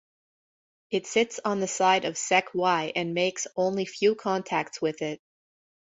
Its sits on the side of SecY and makes only few contacts with it.